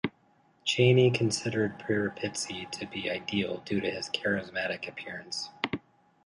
Cheney considered Piripitzi to be ideal due to his charismatic appearance.